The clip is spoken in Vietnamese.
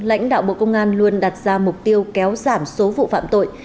lãnh đạo bộ công an luôn đặt ra mục tiêu kéo giảm số vụ phạm tội